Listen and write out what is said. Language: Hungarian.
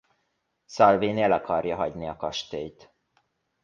Salvini el akarja hagyni a kastélyt.